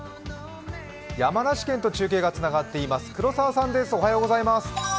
山梨県と中継がつながっています。